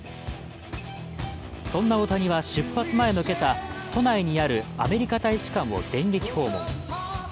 そんな大谷は出発前の今朝、都内にあるアメリカ大使館を電撃訪問。